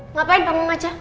ngapain bangun aja